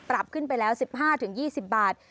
ปรับขึ้นไปแล้ว๑๕๒๐บาท